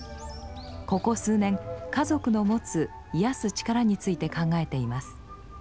ここ数年家族の持つ癒やす力について考えています。